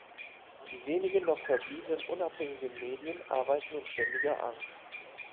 Die wenigen noch verbliebenen unabhängigen Medien arbeiten in ständiger Angst.